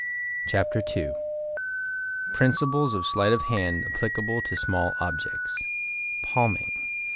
CHAPTER II PRINCIPLES OF SLEIGHT OF HAND APPLICABLE TO SMALL OBJECTS Palming.